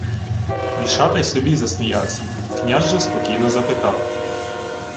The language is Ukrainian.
Вишата й собі засміявся, князь же спокійно запитав: